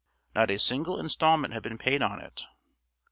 Not a single installment had been paid on it.